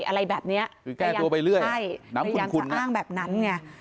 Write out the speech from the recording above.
อะไรแบบเนี้ยคือแก้ตัวไปเรื่อยใช่น้ำขุนคุณอ้างแบบนั้นไง